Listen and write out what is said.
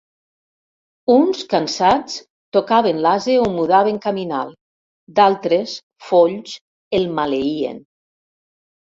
Uns, cansats, tocaven l'ase o mudaven caminal; d'altres, folls, el maleïen.